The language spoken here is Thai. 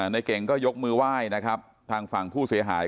ในเก่งก็ยกมือไหว้นะครับทางฝั่งผู้เสียหาย